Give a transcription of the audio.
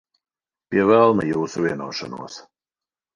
Pie velna jūsu vienošanos.